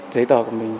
giấy tờ của mình